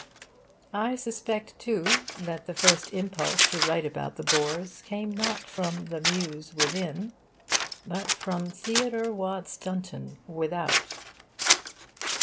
I suspect, too, that the first impulse to write about the Boers came not from the Muse within, but from Theodore Watts Dunton without....